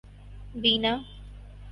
بینا